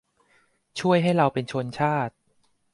ช่วยให้เราเป็นชนชาติ